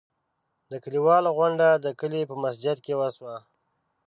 د کلیوالو غونډه د کلي په مسجد کې وشوه.